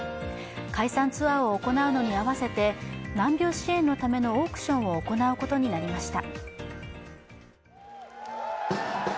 解散ツアーを行うのに合わせて難病支援のためのオークションを行うことになりました。